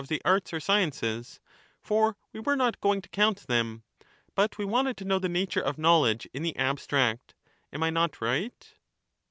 the arts or sciences, for we were not going to count them, but tion. we wanted to know the nature of knowledge in the abstract. Am I not right